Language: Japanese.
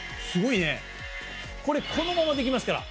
これこのままできますから。